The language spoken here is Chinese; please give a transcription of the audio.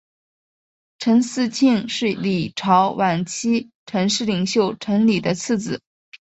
陈嗣庆是李朝晚期陈氏领袖陈李的次子。